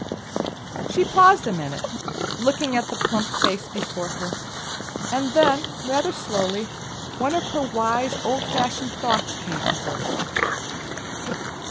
She paused a minute, looking at the plump face before her, and then, rather slowly, one of her wise, old fashioned thoughts came to her.